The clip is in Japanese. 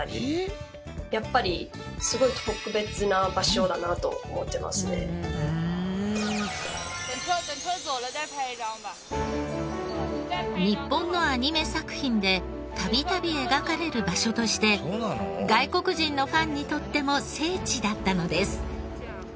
やっぱりすごい。日本のアニメ作品で度々描かれる場所として外国人のファンにとっても聖地だったのです。